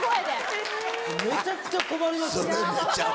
めちゃくちゃ困ります。